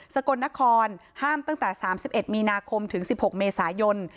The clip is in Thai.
กลนครห้ามตั้งแต่๓๑มีนาคมถึง๑๖เมษายน